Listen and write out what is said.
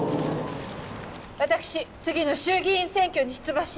私次の衆議院選挙に出馬し。